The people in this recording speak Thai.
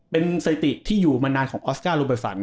เป็นเศรษฐีที่อยู่มานานของออสการูปศร